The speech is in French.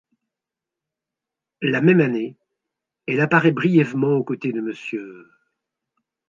La même année, elle apparaît brièvement aux côtés de Mr.